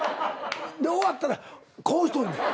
で終わったらこうしとんねん。